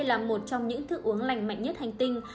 là một trong những thức uống lành mạnh nhất hành tinh